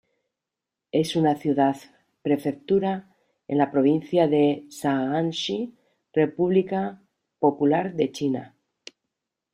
Es una ciudad-prefectura en la provincia de Shaanxi, República Popular de China.